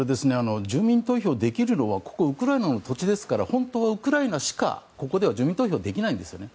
住民投票できるのはここ、ウクライナの土地ですから本当はウクライナしかできないんですよね。